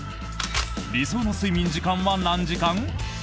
理想の睡眠時間は何時間？